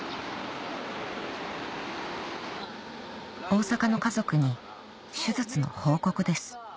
大阪の家族に手術の報告です